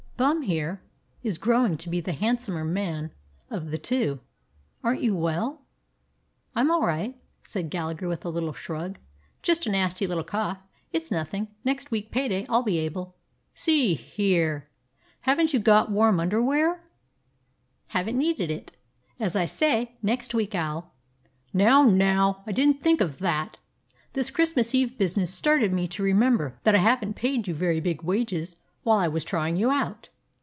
Bum here is growing to be the handsomer man of the two. Aren't you well?" "I 'm all right," said Gallagher with a little shrug. "Jest a nasty little cough. It 's noth in'. Next week pay day I 'll be able —" "See here, haven't you got warm under wear?" 165 DOG HEROES OF MANY LANDS "Have n't needed it. As I say, next week I 'll—" "Now, now, I didn't think of that! This Christmas Eve business started me to remem ber that I have n't paid you very big wages while I was trying you out.